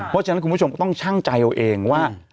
เพราะฉะนั้นคุณผู้ชมก็ต้องชั่งใจเอาเองว่า